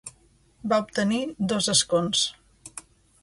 Va obtenir dos escons.